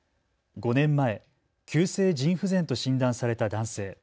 ５年前、急性腎不全と診断された男性。